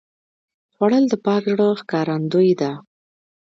خوړل د پاک زړه ښکارندویي ده